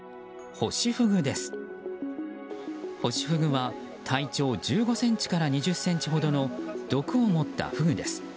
ホシフグは体長１５ｃｍから２０ｃｍほどの毒を持ったフグです。